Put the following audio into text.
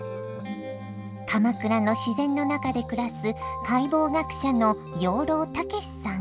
鎌倉の自然の中で暮らす解剖学者の養老孟司さん。